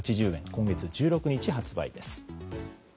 今月１６日発売です。